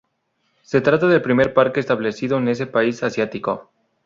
Se trata del primer parque establecido en ese país asiático.